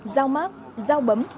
giao mát giao bấm